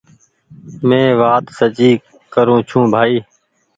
مينٚ وآت سچي ڪرون ڇوٚنٚ بآئي